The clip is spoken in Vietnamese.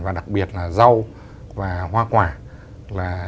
và đặc biệt là rau và hoa quả